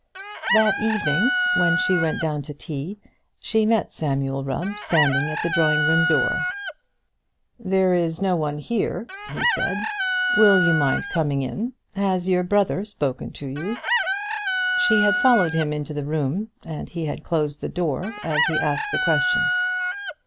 That evening, when she went down to tea, she met Samuel Rubb standing at the drawing room door. "There is no one here," he said; "will you mind coming in? Has your brother spoken to you?" She had followed him into the room, and he had closed the door as he asked the question.